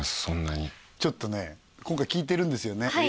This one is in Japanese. そんなにちょっとね今回聞いてるんですよね